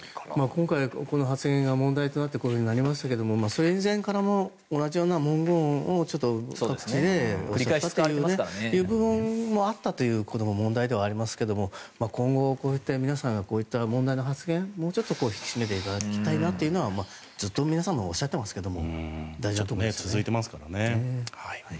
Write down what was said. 今回この発言が問題になってこうなりましたけどそれ以前からも同じような文言を各地で言っていたということも問題ではありますけれど今後、皆さんがこういった問題の発言をもうちょっと引き締めていただきたいなっていうのはずっと皆さんおっしゃってますが続いてますからね。